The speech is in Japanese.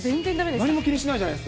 何も気にしないじゃないです